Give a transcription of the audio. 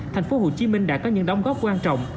tp hcm đã có những đóng góp quan trọng